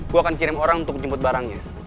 gue akan kirim orang untuk jemput barangnya